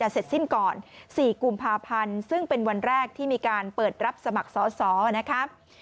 เสร็จสิ้นก่อน๔กุมภาพันธ์ซึ่งเป็นวันแรกที่มีการเปิดรับสมัครสอสอนะครับ